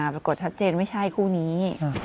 ปรากฏชัดเจนไม่ใช่คู่นี้